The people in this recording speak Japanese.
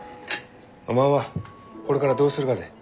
おまんはこれからどうするがぜ？